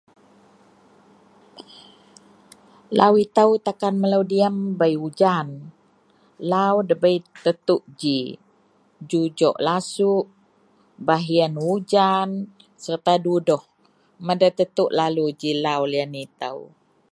Lau ito takan melo diam bei hujan lau debai tertuk jujok lasuh baih yian ujan serta dudoh meda tentu lalu ji lau lian ito.